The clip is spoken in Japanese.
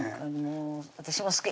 私も好き！